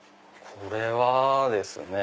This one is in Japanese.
これはですね。